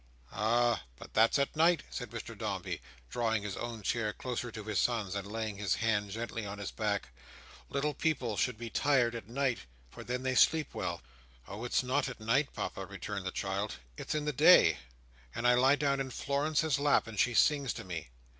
"Ay! But that's at night," said Mr Dombey, drawing his own chair closer to his son's, and laying his hand gently on his back; "little people should be tired at night, for then they sleep well." "Oh, it's not at night, Papa," returned the child, "it's in the day; and I lie down in Florence's lap, and she sings to me.